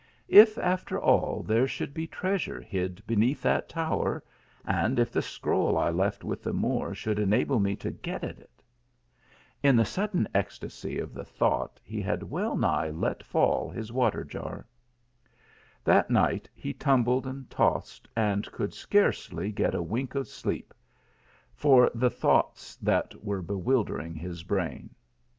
" If, after all, there should be treasure hid beneath that tower and if the scroll I left with the Moor should enable me to get at it !" THE MOORS LEGACY. 171 Tn ihc sudden ecstasy of the thought he had well high let fall his water jar. That night he tumbled and tossed, and could scarcely get a wink of sleep for the thoughts that were bewildering his brain.